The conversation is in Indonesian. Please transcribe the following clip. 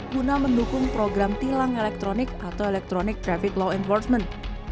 guna mendukung program tilang elektronik atau electronic traffic law enforcement